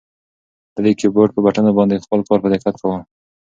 ده د کیبورډ په بټنو باندې خپل کار په دقت کاوه.